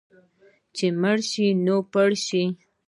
چې مړ شوې، نو پړ شوې.